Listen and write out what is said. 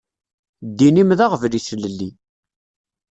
Ddin-im d aɣbel i tlelli.